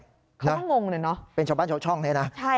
เขาก็งงเลยเนอะใช่ค่ะ